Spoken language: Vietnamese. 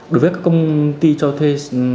đối với các công ty cho thuê